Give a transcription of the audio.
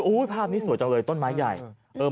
ภาพนี้สวยจังเลยต้นไม้ใหญ่